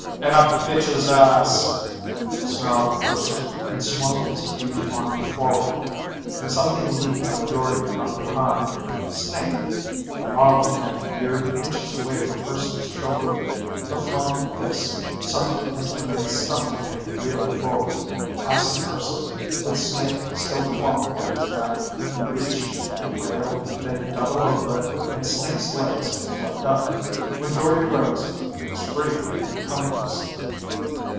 "In a bitch's ass," snarled Urson and swung his huge arm forward. Something leaped on Jordde from behind Snake! The marlin pin veered inches away from Urson's shoulder. The flung fist sunk into the mate's stomach and he reeled forward, passing Urson, with Snake still clawing at his back. He reached the rail, bent double over it, and Snake's legs flipped up. When Jordde rose, he was free of encumbrance.